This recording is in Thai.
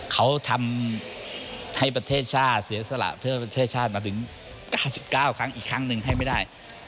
เขาทำให้ประเทศชาติเสียสละเพื่อประเทศชาติมาถึง๙๙ครั้งอีกครั้งหนึ่งให้ไม่ได้